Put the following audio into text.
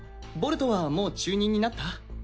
ボルトはもう中忍になった？